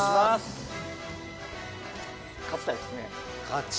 勝ちたいですね。